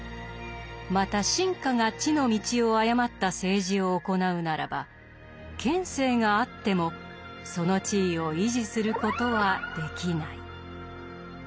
また臣下が地の道を誤った政治を行うならば権勢があってもその地位を維持することはできない」。